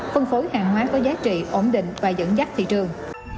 phân phối hàng hóa có giá trị ổn định và dẫn dắt thị trường